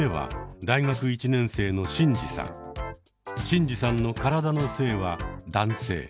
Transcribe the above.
シンジさんの体の性は男性。